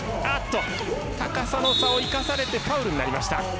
高さの差を生かされてファウルになりました。